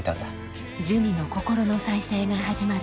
ジュニの心の再生が始まる